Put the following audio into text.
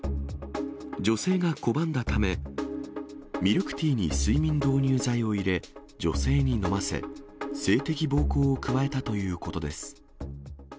女性が拒んだため、ミルクティーに睡眠導入剤を入れ、女性に飲ませ、性的暴行を加えたということです。